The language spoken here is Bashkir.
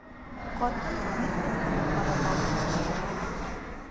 Ҡатын һирпеп кенә ҡарап алды ла: